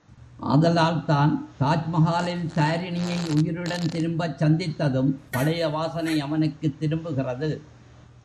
ஆதலால்தான், தாஜ்மகாலில் தாரிணியை உயிருடன் திரும்பச் சந்தித்ததும், பழைய வாசனை அவனுக்குத் திரும்புகிறது.